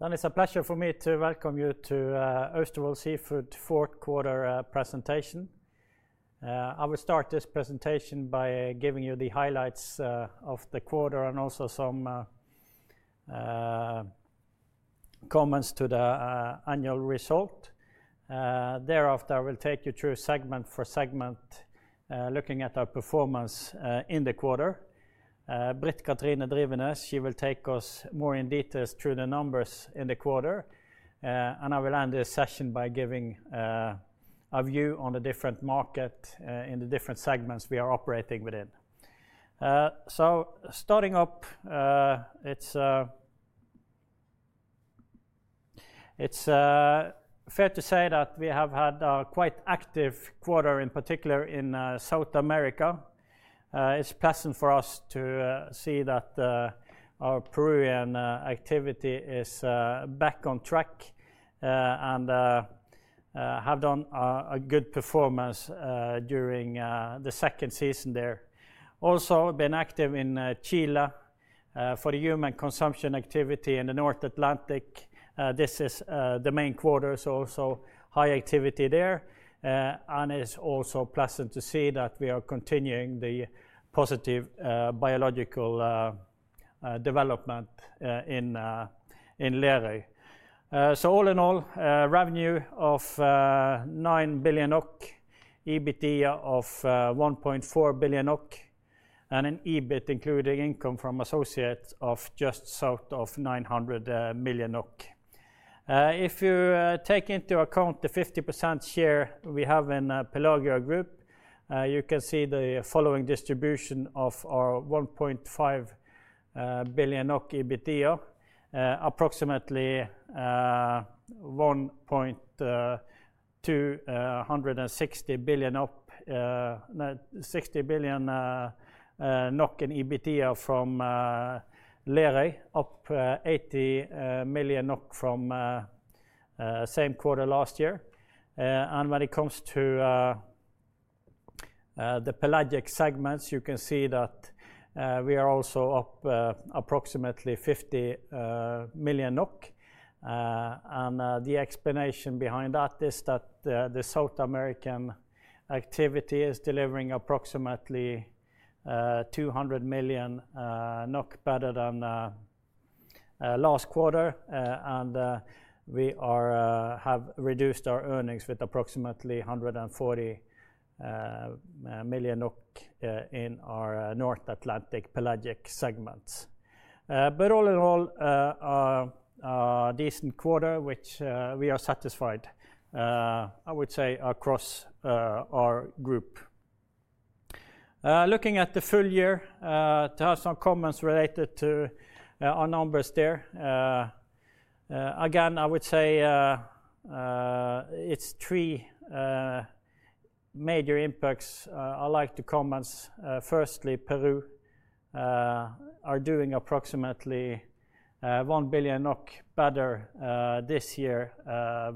And it's a pleasure for me to welcome you to Austevoll Seafood's fourth quarter presentation. I will start this presentation by giving you the highlights of the quarter and also some comments to the annual result. Thereafter, I will take you through segment for segment, looking at our performance in the quarter. Britt Kathrine Drivenes, she will take us more in detail through the numbers in the quarter, and I will end this session by giving a view on the different market in the different segments we are operating within. Starting up, it's fair to say that we have had a quite active quarter, in particular in South America. It's pleasant for us to see that our Peruvian activity is back on track and have done a good performance during the second season there. Also, been active in Chile for human consumption activity in the North Atlantic. This is the main quarter, so also high activity there, and it's also pleasant to see that we are continuing the positive biological development in Lerøy. All in all, revenue of 9 billion, EBITDA of 1.4 billion, and an EBIT including income from associates of just south of 900 million. If you take into account the 50% share we have in Pelagia Group, you can see the following distribution of our 1.5 billion NOK EBITDA, approximately 1.260 billion in EBITDA from Lerøy, up 80 million NOK from the same quarter last year. When it comes to the Pelagic segments, you can see that we are also up approximately 50 million NOK, and the explanation behind that is that the South American activity is delivering approximately 200 million NOK better than last quarter, and we have reduced our earnings with approximately 140 million in our North Atlantic Pelagic segments. All in all, a decent quarter, which we are satisfied, I would say, across our group. Looking at the full year, to have some comments related to our numbers there, again, I would say it's three major impacts I'd like to comment. Firstly, Peru is doing approximately 1 billion NOK better this year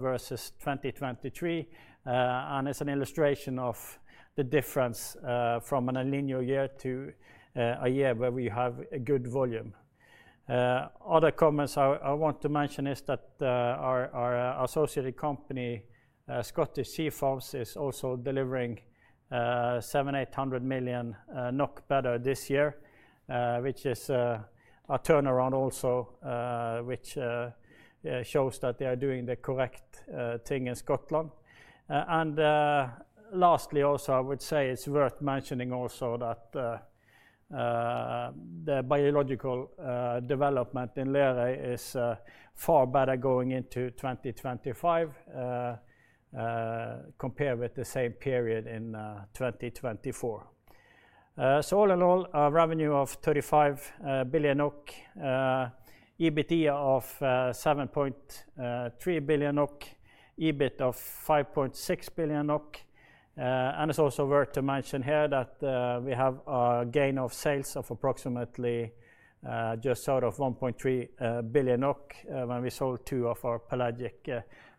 versus 2023, and it's an illustration of the difference from a linear year to a year where we have good volume. Other comments I want to mention is that our associated company, Scottish Sea Farms, is also delivering 700 million-800 million NOK better this year, which is a turnaround also, which shows that they are doing the correct thing in Scotland. Lastly, also, I would say it's worth mentioning also that the biological development in Lerøy is far better going into 2025 compared with the same period in 2024. All in all, a revenue of 35 billion, EBITDA of 7.3 billion, EBIT of 5.6 billion, and it's also worth to mention here that we have a gain of sales of approximately just south of 1.3 billion when we sold two of our pelagic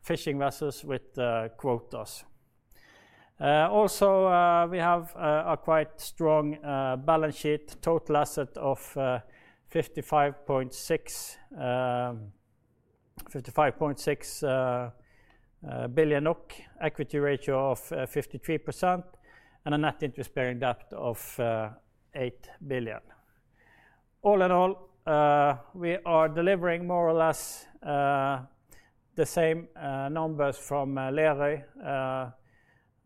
fishing vessels with quotas. Also, we have a quite strong balance sheet, total asset of 55.6 billion, equity ratio of 53%, and a net interest-bearing debt of 8 billion. All in all, we are delivering more or less the same numbers from Lerøy,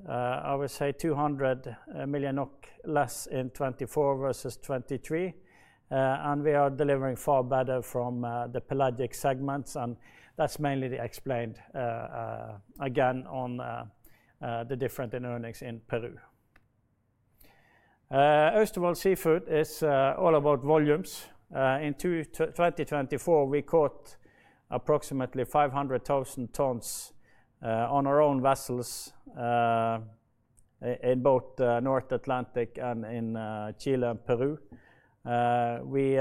I would say 200 million less in 2024 versus 2023, and we are delivering far better from the Pelagic segments, and that's mainly explained, again, on the difference in earnings in Peru. Austevoll Seafood is all about volumes. In 2024, we caught approximately 500,000 tonnes on our own vessels in both North Atlantic and in Chile and Peru. We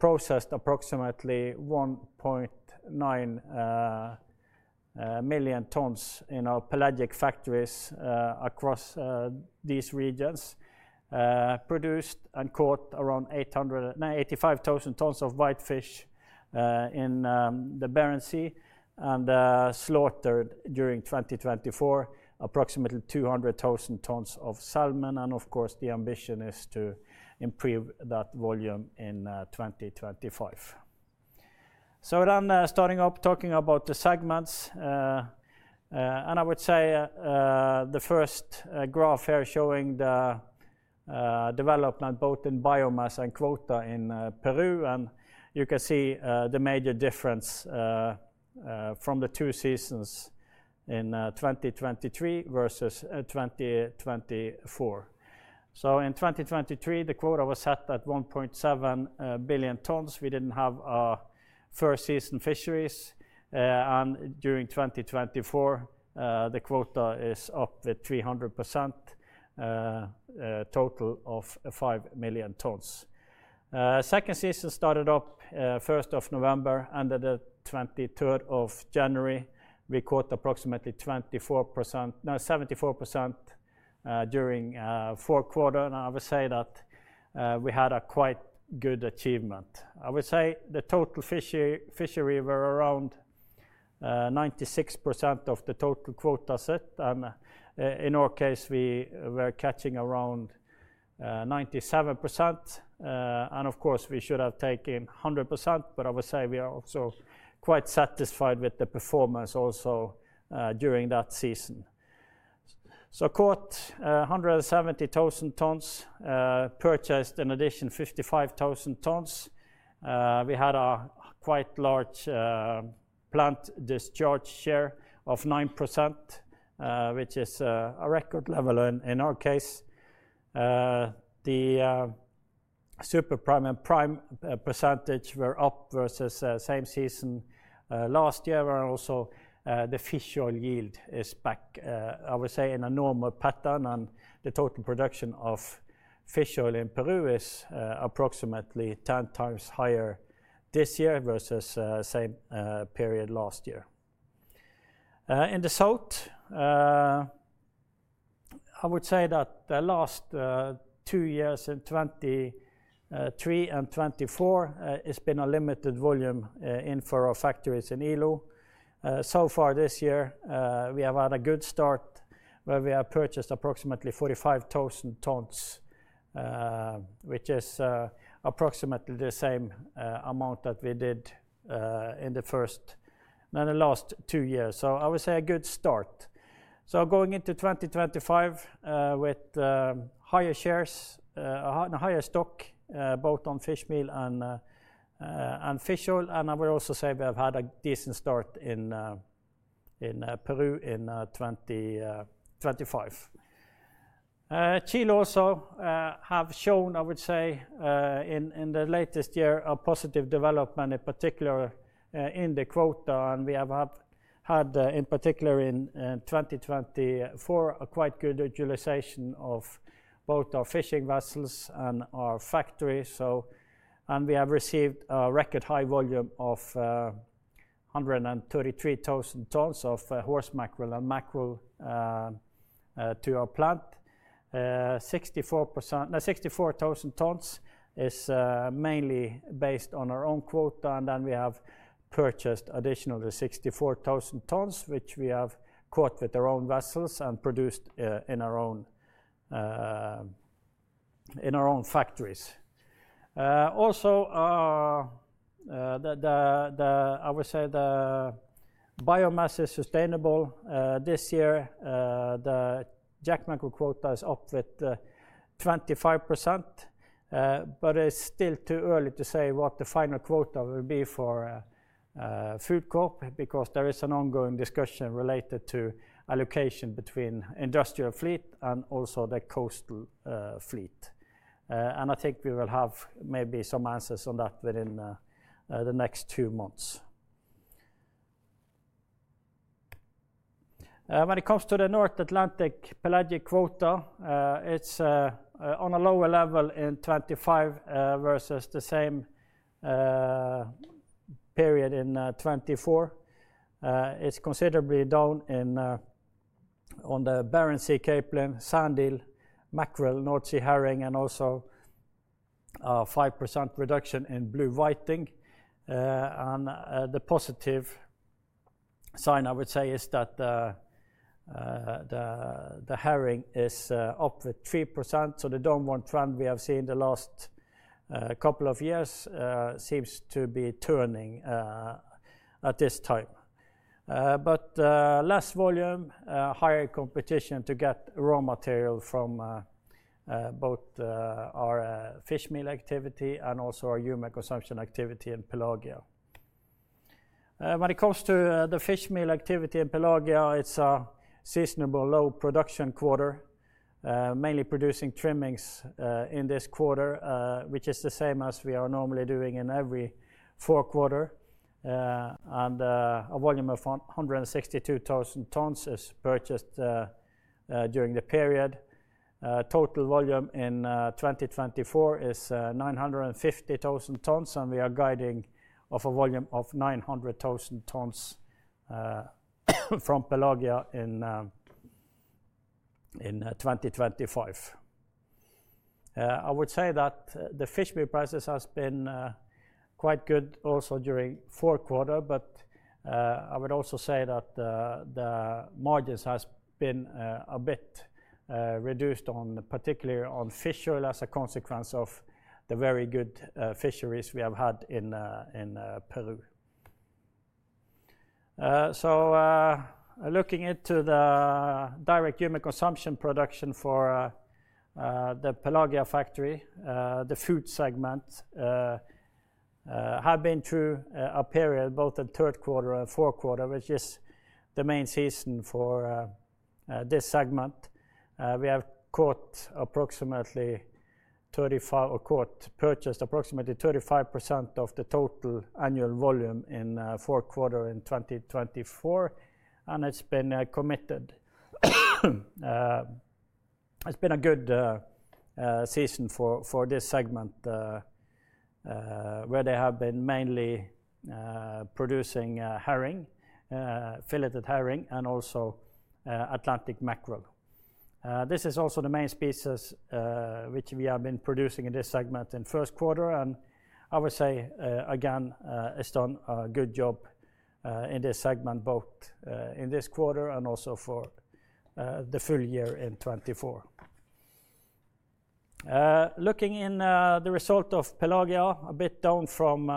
processed approximately 1.9 million tonnes in our Pelagic factories across these regions, produced and caught around 85,000 tonnes of whitefish in the Barents Sea and slaughtered during 2024, approximately 200,000 tonnes of salmon, and of course, the ambition is to improve that volume in 2025. Then starting up, talking about the segments, and I would say the first graph here showing the development both in biomass and quota in Peru, and you can see the major difference from the two seasons in 2023 versus 2024. In 2023, the quota was set at 1.7 million tonnes. We did not have our first season fisheries, and during 2024, the quota is up with 300%, total of 5 million tonnes. Second season started up 1st of November, and at the 23rd of January, we caught approximately 74% during four quarters, and I would say that we had a quite good achievement. I would say the total fishery were around 96% of the total quota set, and in our case, we were catching around 97%, and of course, we should have taken 100%, but I would say we are also quite satisfied with the performance also during that season. Caught 170,000 tonnes, purchased in addition 55,000 tonnes. We had a quite large plant discharge share of 9%, which is a record level in our case. The super prime and prime percentage were up versus same season last year, and also the fish oil yield is back, I would say, in a normal pattern, and the total production of fish oil in Peru is approximately 10 times higher this year versus same period last year. In the south, I would say that the last two years in 2023 and 2024, it's been a limited volume in for our factories in Ilo. So far this year, we have had a good start where we have purchased approximately 45,000 tonnes, which is approximately the same amount that we did in the first, in the last two years. I would say a good start. Going into 2025 with higher shares, a higher stock both on fish meal and fish oil, and I would also say we have had a decent start in Peru in 2025. Chile also has shown, I would say, in the latest year, a positive development, in particular in the quota, and we have had, in particular in 2024, a quite good utilization of both our fishing vessels and our factories. We have received a record high volume of 133,000 tonnes of horse mackerel and mackerel to our plant. 64,000 tonnes is mainly based on our own quota, and then we have purchased additionally 64,000 tonnes, which we have caught with our own vessels and produced in our own factories. Also, I would say the biomass is sustainable this year. The jack mackerel quota is up with 25%, but it's still too early to say what the final quota will be for food crop, because there is an ongoing discussion related to allocation between industrial fleet and also the coastal fleet, and I think we will have maybe some answers on that within the next two months. When it comes to the North Atlantic pelagic quota, it's on a lower level in 2025 versus the same period in 2024. It's considerably down on the Barents Sea capelin, sand eel, mackerel, North Sea herring, and also a 5% reduction in blue whiting, and the positive sign, I would say, is that the herring is up with 3%, so the downward trend we have seen the last couple of years seems to be turning at this time. Less volume, higher competition to get raw material from both our fish meal activity and also our human consumption activity in Pelagia. When it comes to the fish meal activity in Pelagia, it's a seasonable low production quarter, mainly producing trimmings in this quarter, which is the same as we are normally doing in every fourth quarter, and a volume of 162,000 tonnes is purchased during the period. Total volume in 2024 is 950,000 tonnes, and we are guiding off a volume of 900,000 tonnes from Pelagia in 2025. I would say that the fish meal prices have been quite good also during fourth quarter, but I would also say that the margins have been a bit reduced, particularly on fish oil as a consequence of the very good fisheries we have had in Peru. Looking into the direct human consumption production for the Pelagia factory, the food segment had been through a period both in third quarter and fourth quarter, which is the main season for this segment. We have caught approximately 35, or caught, purchased approximately 35% of the total annual volume in fourth quarter in 2024, and it's been committed. It's been a good season for this segment where they have been mainly producing herring, filleted herring, and also Atlantic mackerel. This is also the main species which we have been producing in this segment in first quarter, and I would say, again, it's done a good job in this segment both in this quarter and also for the full year in 2024. Looking in the result of Pelagia, a bit down from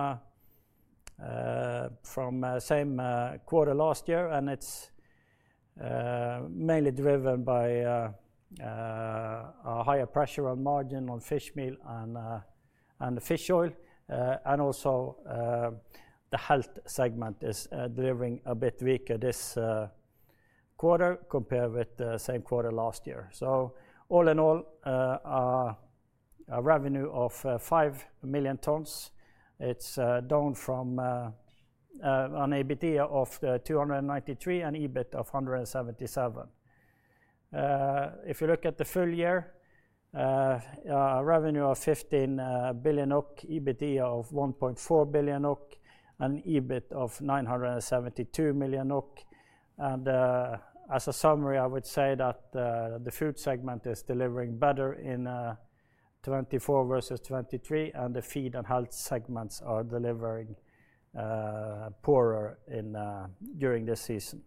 same quarter last year, and it's mainly driven by a higher pressure on margin on fish meal and fish oil, and also the health segment is delivering a bit weaker this quarter compared with the same quarter last year. All in all, a revenue of 5 million tonnes, it's down from an EBITDA of 293 million and EBIT of 177 million. If you look at the full year, a revenue of 15 billion, EBITDA of 1.4 billion, and EBIT of 972 million, and as a summary, I would say that the food segment is delivering better in 2024 versus 2023, and the feed and health segments are delivering poorer during this season.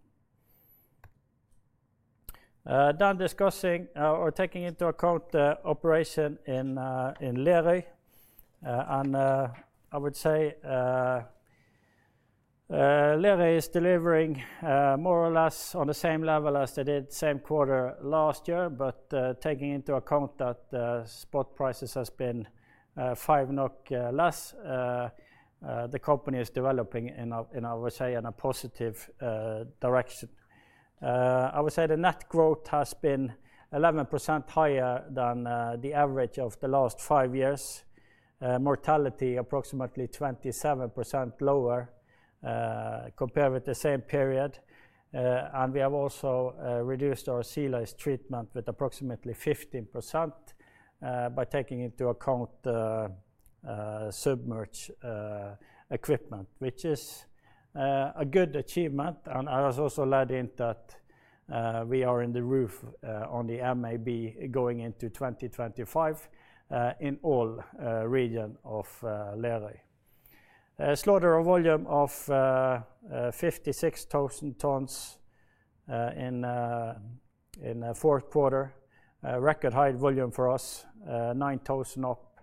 Discussing or taking into account the operation in Lerøy, I would say Lerøy is delivering more or less on the same level as they did same quarter last year, but taking into account that spot prices have been 5 NOK less, the company is developing, I would say, in a positive direction. I would say the net growth has been 11% higher than the average of the last five years, mortality approximately 27% lower compared with the same period, and we have also reduced our sea lice treatment with approximately 15% by taking into account submerged equipment, which is a good achievement, and I was also led in that we are in the roof on the MAB going into 2025 in all region of Lerøy. Slaughter volume of 56,000 tonnes in fourth quarter, record high volume for us, 9,000 up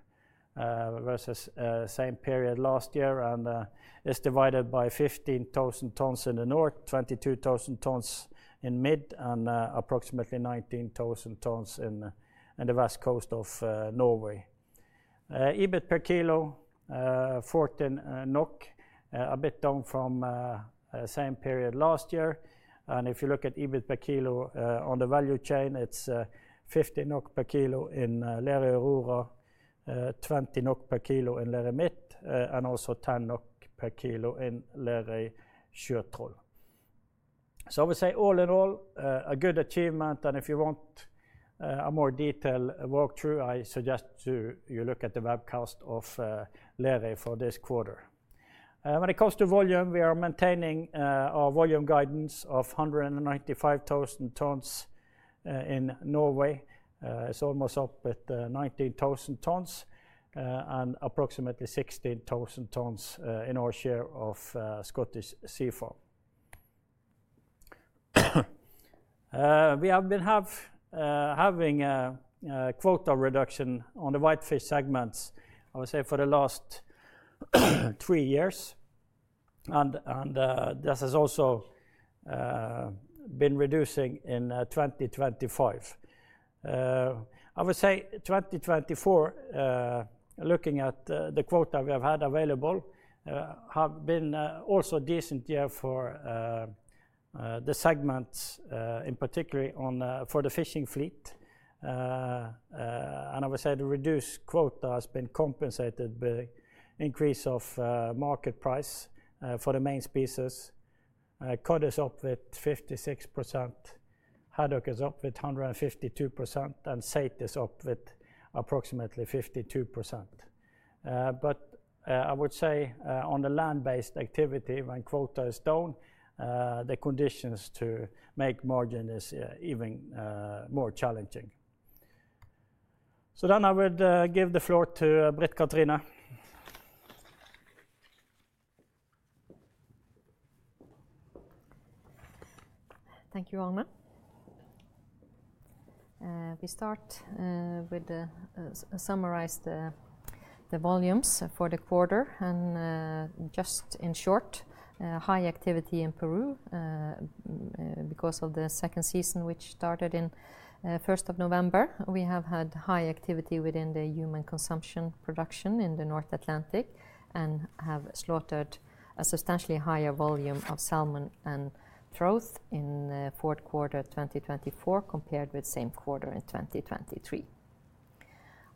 versus same period last year, and it's divided by 15,000 tonnes in the north, 22,000 tonnes in mid, and approximately 19,000 tonnes in the west coast of Norway. EBIT per kilo, 14 NOK, a bit down from same period last year, and if you look at EBIT per kilo on the value chain, it's 15 NOK per kilo in Lerøy Aurora, 20 NOK per kilo in Lerøy Mid, and also 10 NOK per kilo in Lerøy Sjøtroll. I would say all in all, a good achievement, and if you want a more detailed walkthrough, I suggest you look at the webcast of Lerøy for this quarter. When it comes to volume, we are maintaining our volume guidance of 195,000 tonnes in Norway. It's almost up with 19,000 tonnes and approximately 16,000 tonnes in our share of Scottish Sea Farms. We have been having a quota reduction on the whitefish segments, I would say, for the last three years, and this has also been reducing in 2025. I would say 2024, looking at the quota we have had available, have been also a decent year for the segments, in particular for the fishing fleet, and I would say the reduced quota has been compensated by increase of market price for the main species. Cod is up with 56%, haddock is up with 152%, and saithe is up with approximately 52%. I would say on the land-based activity, when quota is down, the conditions to make margin is even more challenging. I would give the floor to Britt Kathrine. Thank you, Arne. We start with summarize the volumes for the quarter, and just in short, high activity in Peru because of the second season, which started in 1st of November. We have had high activity within the human consumption production in the North Atlantic and have slaughtered a substantially higher volume of salmon and trout in fourth quarter 2024 compared with same quarter in 2023.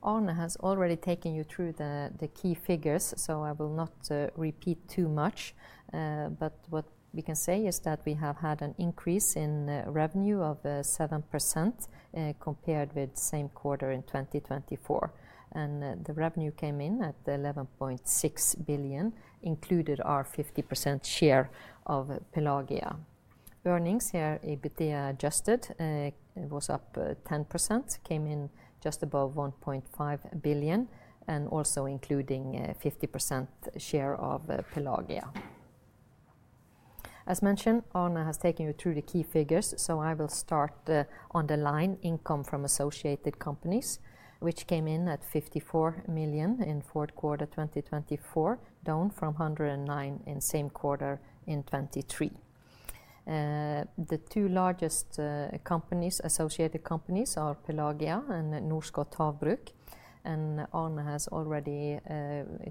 Arne has already taken you through the key figures, so I will not repeat too much, but what we can say is that we have had an increase in revenue of 7% compared with same quarter in 2024, and the revenue came in at 11.6 billion, included our 50% share of Pelagia. Earnings here, EBITDA adjusted, was up 10%, came in just above 1.5 billion, and also including 50% share of Pelagia. As mentioned, Arne has taken you through the key figures, so I will start on the line income from associated companies, which came in at 54 million in fourth quarter 2024, down from 109 million in same quarter in 2023. The two largest associated companies are Pelagia and Norskott Havbruk, and Arne has already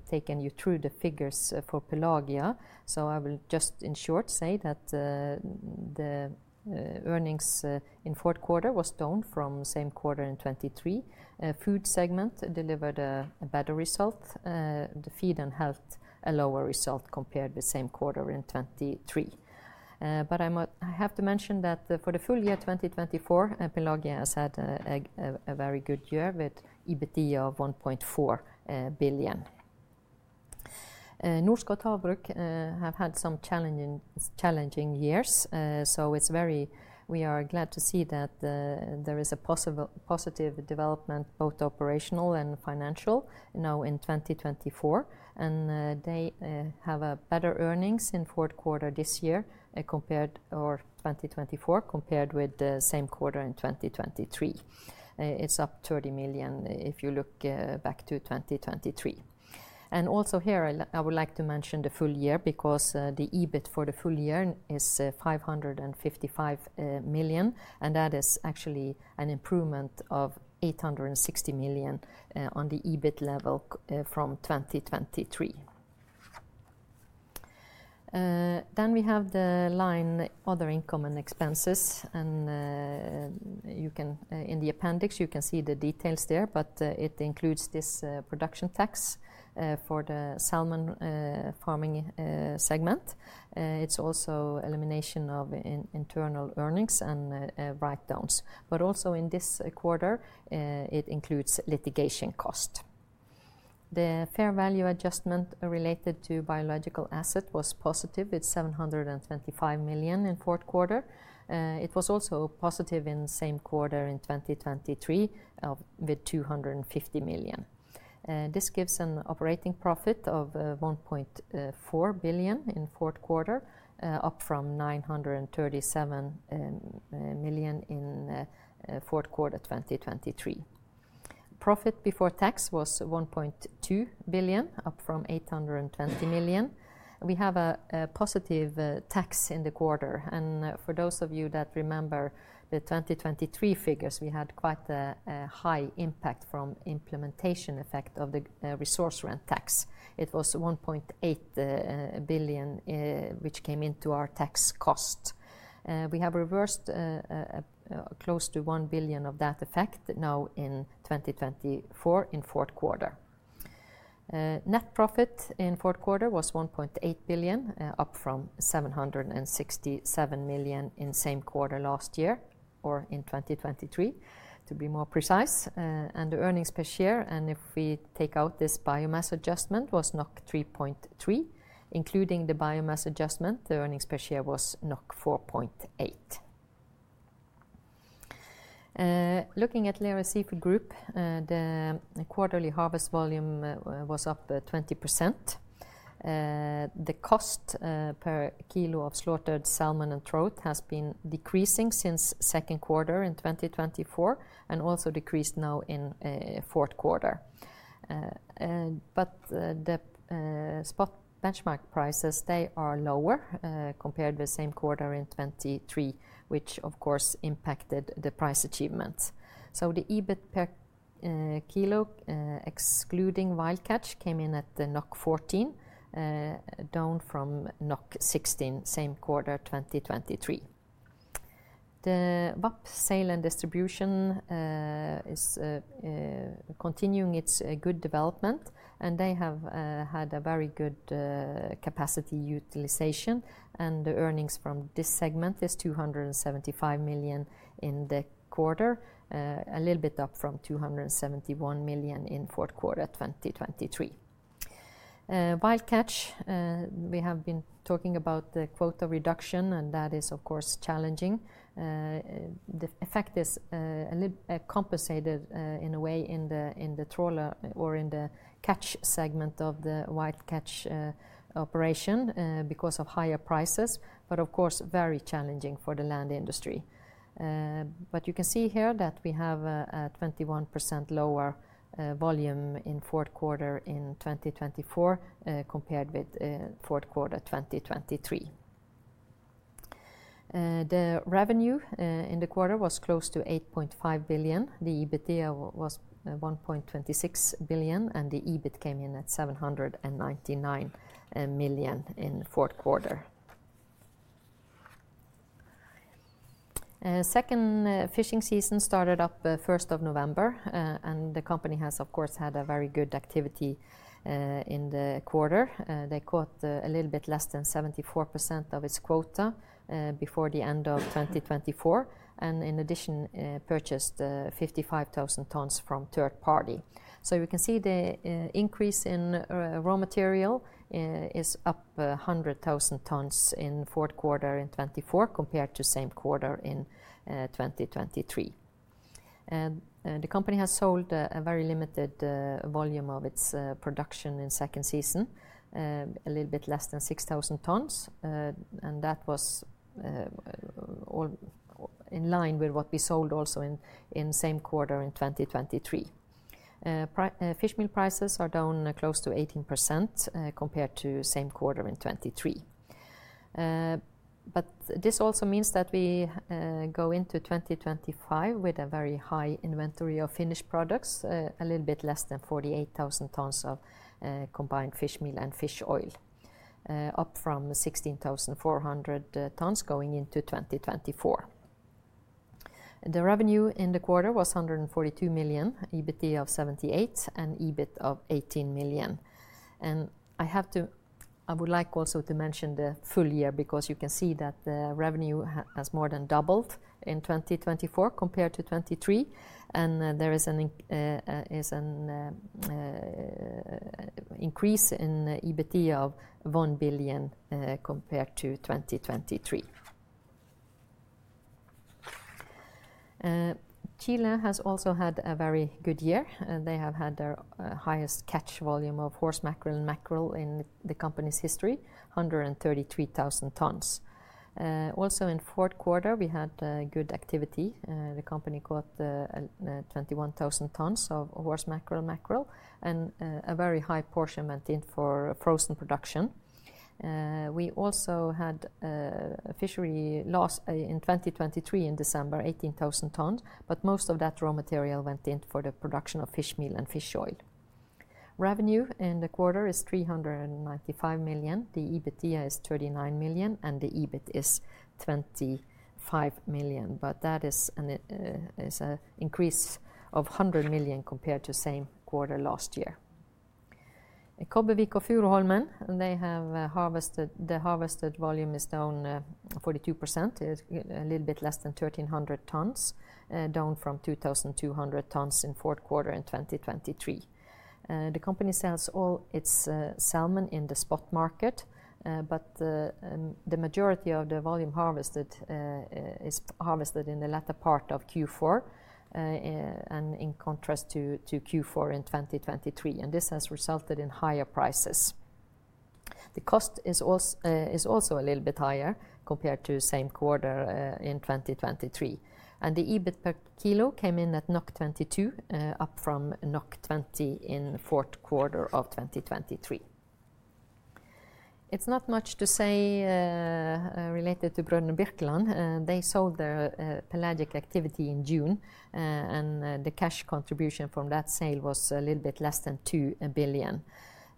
taken you through the figures for Pelagia, so I will just in short say that the earnings in fourth quarter was down from same quarter in 2023. Food segment delivered a better result. The feed and health a lower result compared with same quarter in 2023. I have to mention that for the full year 2024, Pelagia has had a very good year with EBITDA of 1.4 billion. Norskott Havbruk have had some challenging years, so we are glad to see that there is a possible positive development both operational and financial now in 2024, and they have better earnings in fourth quarter this year compared or 2024 compared with same quarter in 2023. It's up 30 million if you look back to 2023. Also here, I would like to mention the full year because the EBIT for the full year is 555 million, and that is actually an improvement of 860 million on the EBIT level from 2023. We have the line other income and expenses, and in the appendix, you can see the details there, but it includes this production tax for the salmon farming segment. It is also elimination of internal earnings and write-downs, but also in this quarter, it includes litigation cost. The fair value adjustment related to biological asset was positive with 725 million in fourth quarter. It was also positive in same quarter in 2023 with 250 million. This gives an operating profit of 1.4 billion in fourth quarter, up from 937 million in fourth quarter 2023. Profit before tax was 1.2 billion, up from 820 million. We have a positive tax in the quarter, and for those of you that remember the 2023 figures, we had quite a high impact from implementation effect of the resource rent tax. It was 1.8 billion, which came into our tax cost. We have reversed close to 1 billion of that effect now in 2024 in fourth quarter. Net profit in fourth quarter was 1.8 billion, up from 767 million in same quarter last year or in 2023, to be more precise, and the earnings per share, and if we take out this biomass adjustment, was 3.3. Including the biomass adjustment, the earnings per share was 4.8. Looking at Lerøy Seafood Group, the quarterly harvest volume was up 20%. The cost per kilo of slaughtered salmon and trout has been decreasing since second quarter in 2024 and also decreased now in fourth quarter. The spot benchmark prices are lower compared with same quarter in 2023, which of course impacted the price achievement. The EBIT per kilo excluding wild catch came in at 14, down from 16 same quarter 2023. The VAP sale and distribution is continuing its good development, and they have had a very good capacity utilization, and the earnings from this segment is 275 million in the quarter, a little bit up from 271 million in fourth quarter 2023. Wild catch, we have been talking about the quota reduction, and that is of course challenging. The effect is compensated in a way in the trawler or in the catch segment of the wild catch operation because of higher prices, but of course very challenging for the land industry. You can see here that we have a 21% lower volume in fourth quarter in 2024 compared with fourth quarter 2023. The revenue in the quarter was close to 8.5 billion. The EBITDA was 1.26 billion, and the EBIT came in at 799 million in fourth quarter. Second fishing season started up 1st of November, and the company has of course had a very good activity in the quarter. They caught a little bit less than 74% of its quota before the end of 2024, and in addition, purchased 55,000 tonnes from third party. You can see the increase in raw material is up 100,000 tonnes in fourth quarter in 2024 compared to same quarter in 2023. The company has sold a very limited volume of its production in second season, a little bit less than 6,000 tonnes, and that was in line with what we sold also in same quarter in 2023. Fish meal prices are down close to 18% compared to same quarter in 2023. This also means that we go into 2025 with a very high inventory of finished products, a little bit less than 48,000 tonnes of combined fish meal and fish oil, up from 16,400 tonnes going into 2024. The revenue in the quarter was 142 million, EBITDA of 78 million, and EBIT of 18 million. I would like also to mention the full year because you can see that the revenue has more than doubled in 2024 compared to 2023, and there is an increase in EBITDA of 1 billion compared to 2023. Chile has also had a very good year. They have had their highest catch volume of horse mackerel and mackerel in the company's history, 133,000 tonnes. Also in fourth quarter, we had good activity. The company caught 21,000 tonnes of horse mackerel and mackerel, and a very high portion went in for frozen production. We also had fishery loss in 2023 in December, 18,000 tonnes, but most of that raw material went in for the production of fish meal and fish oil. Revenue in the quarter is 395 million. The EBITDA is 39 million, and the EBIT is 25 million, but that is an increase of 100 million compared to same quarter last year. Kobbevik og Furuholmen, they have harvested the harvested volume is down 42%, a little bit less than 1,300 tonnes, down from 2,200 tonnes in fourth quarter in 2023. The company sells all its salmon in the spot market, but the majority of the volume harvested is harvested in the latter part of Q4, and in contrast to Q4 in 2023, and this has resulted in higher prices. The cost is also a little bit higher compared to same quarter in 2023, and the EBIT per kilo came in at 22, up from 20 in fourth quarter of 2023. It's not much to say related to Br. Birkeland. They sold their pelagic activity in June, and the cash contribution from that sale was a little bit less than 2 billion.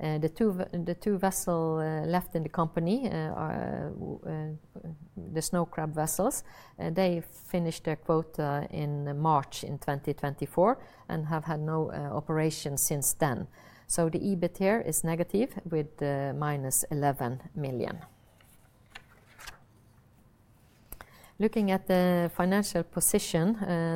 The two vessels left in the company, the snow crab vessels, they finished their quota in March in 2024 and have had no operation since then. The EBIT here is negative with minus 11 million. Looking at the financial position,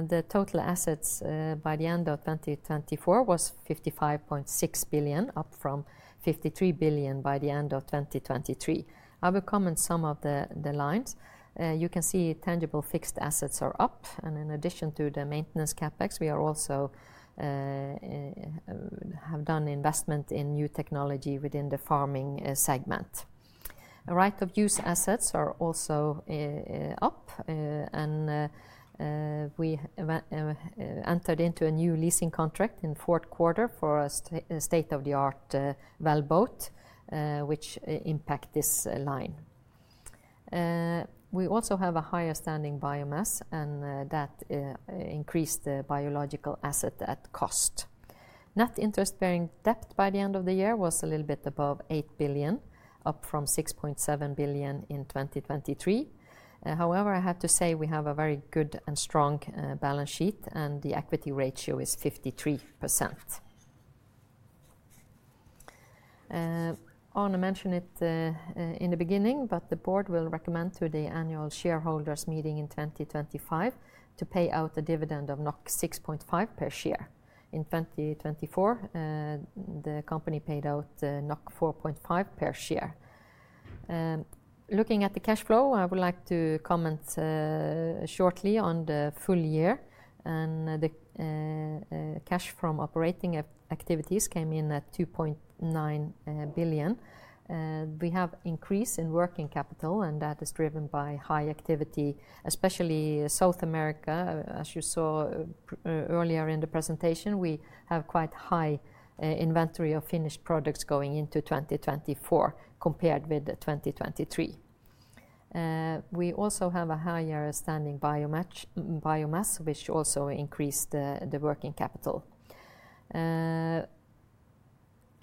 the total assets by the end of 2024 was 55.6 billion, up from 53 billion by the end of 2023. I will comment some of the lines. You can see tangible fixed assets are up, and in addition to the maintenance CapEx, we also have done investment in new technology within the farming segment. Right of use assets are also up, and we entered into a new leasing contract in fourth quarter for a state-of-the-art well boat, which impact this line. We also have a higher standing biomass, and that increased the biological asset at cost. Net interest-bearing debt by the end of the year was a little bit above 8 billion, up from 6.7 billion in 2023. However, I have to say we have a very good and strong balance sheet, and the equity ratio is 53%. Arne mentioned it in the beginning, but the board will recommend to the annual shareholders meeting in 2025 to pay out a dividend of 6.5 per share. In 2024, the company paid out 4.5 per share. Looking at the cash flow, I would like to comment shortly on the full year, and the cash from operating activities came in at 2.9 billion. We have increased in working capital, and that is driven by high activity, especially South America. As you saw earlier in the presentation, we have quite high inventory of finished products going into 2024 compared with 2023. We also have a higher standing biomass, which also increased the working capital.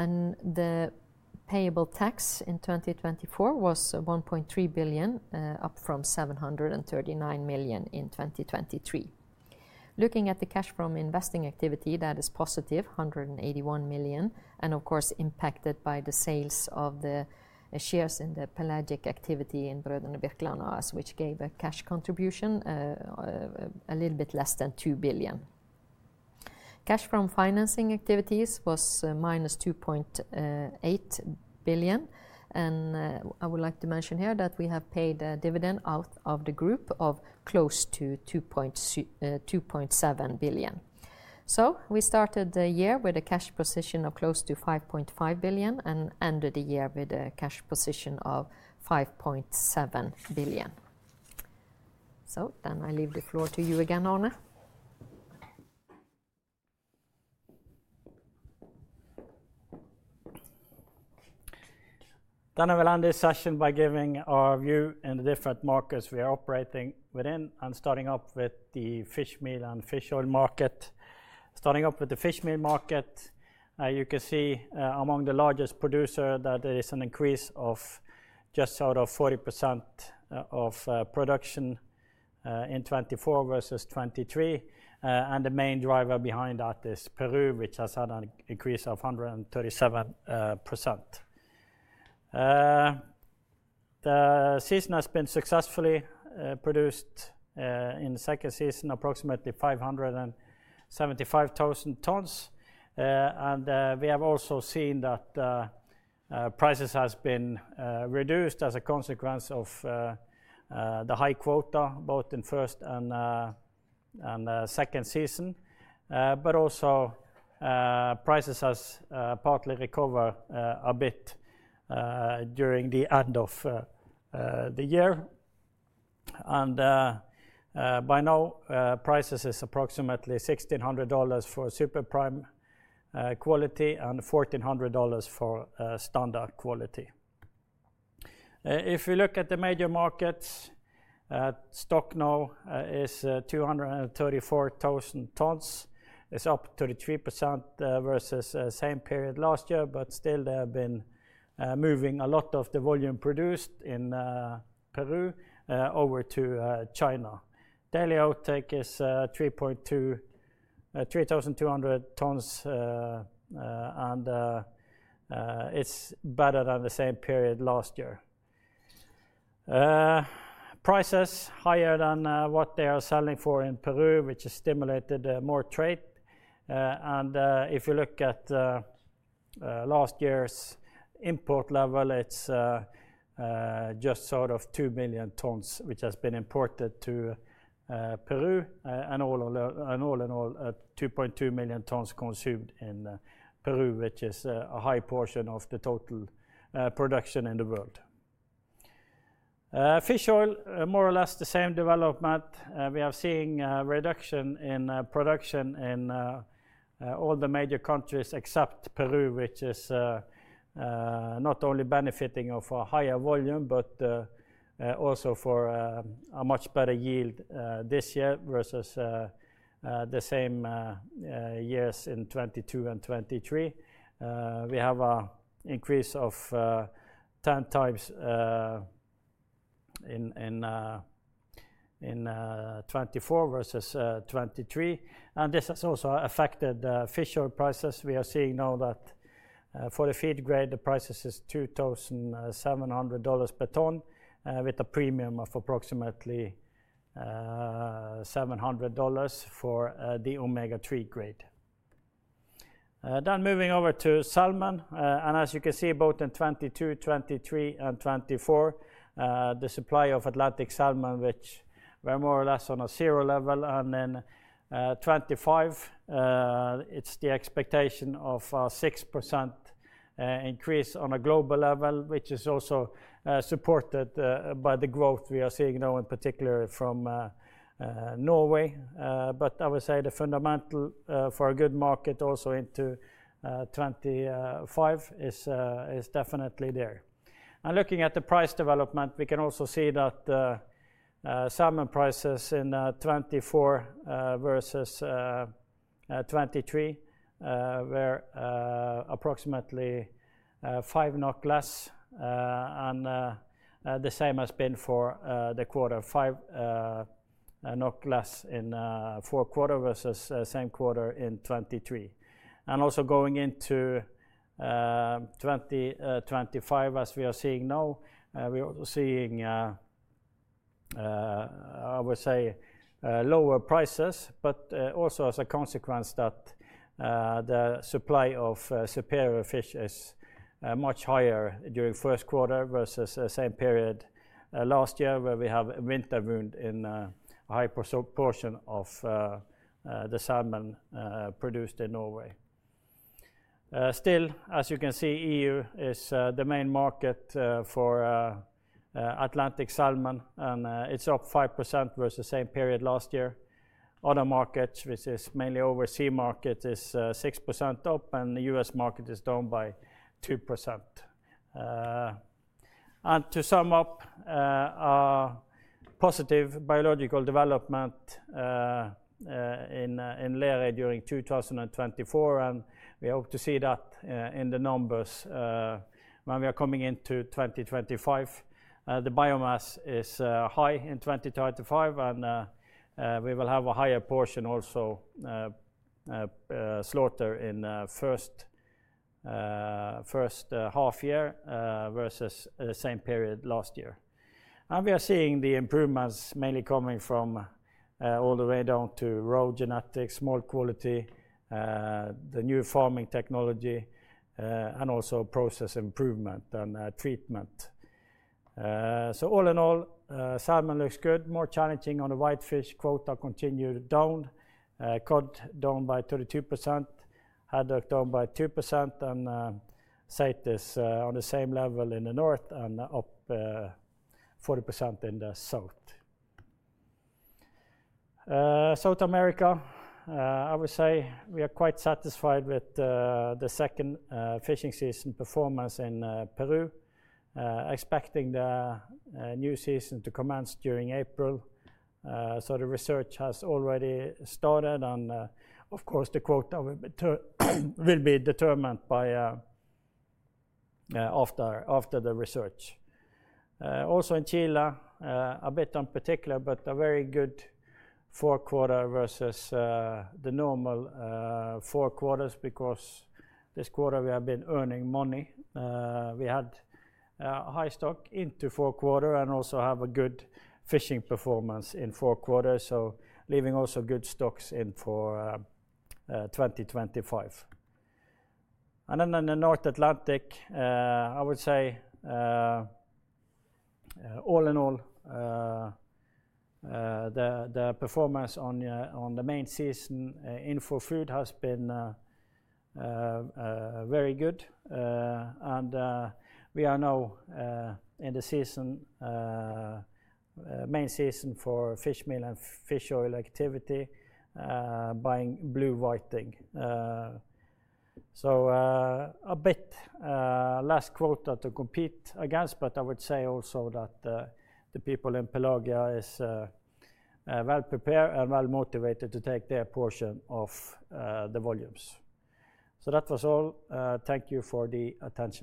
The payable tax in 2024 was 1.3 billion, up from 739 million in 2023. Looking at the cash from investing activity, that is positive, 181 million, and of course impacted by the sales of the shares in the pelagic activity in Br. Birkeland, which gave a cash contribution a little bit less than 2 billion. Cash from financing activities was minus 2.8 billion, and I would like to mention here that we have paid a dividend out of the group of close to 2.7 billion. We started the year with a cash position of close to 5.5 billion and ended the year with a cash position of 5.7 billion. I leave the floor to you again, Arne. I will end this session by giving our view in the different markets we are operating within and starting off with the fish meal and fish oil market. Starting off with the fish meal market, you can see among the largest producers that there is an increase of just out of 40% of production in 2024 versus 2023, and the main driver behind that is Peru, which has had an increase of 137%. The season has been successfully produced in the second season, approximately 575,000 tonnes, and we have also seen that prices have been reduced as a consequence of the high quota, both in first and second season, but also prices have partly recovered a bit during the end of the year. By now, prices are approximately $1,600 for super prime quality and $1,400 for standard quality. If we look at the major markets, stock now is 234,000 tonnes. It's up 33% versus the same period last year, but still there have been moving a lot of the volume produced in Peru over to China. Daily outtake is 3,200 tonnes, and it's better than the same period last year. Prices are higher than what they are selling for in Peru, which has stimulated more trade. If you look at last year's import level, it's just out of 2 million tonnes, which has been imported to Peru, and all in all, 2.2 million tonnes consumed in Peru, which is a high portion of the total production in the world. Fish oil, more or less the same development. We are seeing a reduction in production in all the major countries except Peru, which is not only benefiting of a higher volume, but also for a much better yield this year versus the same years in 2022 and 2023. We have an increase of 10 times in 2024 versus 2023, and this has also affected the fish oil prices. We are seeing now that for the feed grade, the price is $2,700 per ton with a premium of approximately $700 for the Omega 3 grade. Moving over to salmon, and as you can see, both in 2022, 2023, and 2024, the supply of Atlantic salmon, which were more or less on a zero level, and in 2025, it's the expectation of a 6% increase on a global level, which is also supported by the growth we are seeing now, in particular from Norway. I would say the fundamental for a good market also into 2025 is definitely there. Looking at the price development, we can also see that salmon prices in 2024 versus 2023 were approximately 5 NOK less, and the same has been for the quarter, 5 less in fourth quarter versus same quarter in 2023. Also going into 2025, as we are seeing now, we are seeing, I would say, lower prices, but also as a consequence that the supply of superior fish is much higher during first quarter versus the same period last year where we have winter wind in a high portion of the salmon produced in Norway. Still, as you can see, EU is the main market for Atlantic salmon, and it's up 5% versus the same period last year. Other markets, which is mainly overseas markets, is 6% up, and the U.S. market is down by 2%. To sum up, positive biological development in Lerøy during 2024, and we hope to see that in the numbers when we are coming into 2025. The biomass is high in 2025, and we will have a higher portion also slaughter in the first half year versus the same period last year. We are seeing the improvements mainly coming from all the way down to raw genetics, smolt quality, the new farming technology, and also process improvement and treatment. All in all, salmon looks good, more challenging on the whitefish quota continued down, cod down by 32%, haddock down by 2%, and saithe is on the same level in the north and up 40% in the south. South America, I would say we are quite satisfied with the second fishing season performance in Peru, expecting the new season to commence during April. The research has already started, and of course the quota will be determined after the research. Also in Chile, a bit in particular, but a very good fourth quarter versus the normal four quarters because this quarter we have been earning money. We had high stock into fourth quarter and also have a good fishing performance in fourth quarter, leaving also good stocks in for 2025. In the North Atlantic, I would say all in all, the performance on the main season in for food has been very good, and we are now in the season, main season for fish meal and fish oil activity, buying blue whiting. A bit less quota to compete against, but I would say also that the people in Pelagia are well prepared and well motivated to take their portion of the volumes. That was all. Thank you for the attention.